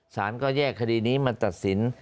สารก็แยกคดีนี้มาตัดสิน